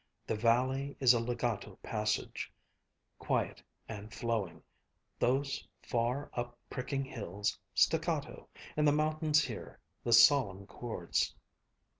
The valley is a legato passage, quiet and flowing; those far, up pricking hills, staccato; and the mountains here, the solemn chords."